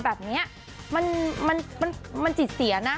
แบบนี้มันจิตเสียนะ